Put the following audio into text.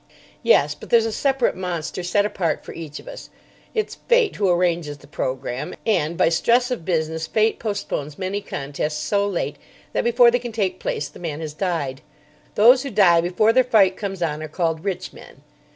"Yes; but there's a separate monster set apart for each of us. It's Fate who arranges the programme, and, by stress of business, Fate postpones many contests so late that before they can take place the man has died. Those who die before their fight comes on are called rich men.